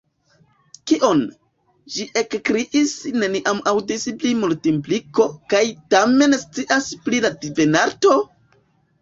"Kion?" Ĝi ekkriis "neniam aŭdis pri Multimpliko kaj tamen scias pri la Divenarto? »